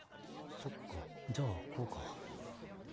そっかじゃあこうか。